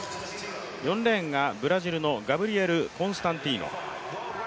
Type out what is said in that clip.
４レーンがブラジルのガブリエル・コンスタンティノ。